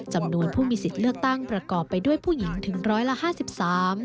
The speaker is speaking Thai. จำนวนผู้มีสิทธิ์เลือกตั้งประกอบไปด้วยผู้หญิงถึงร้อยละห้าสิบสาม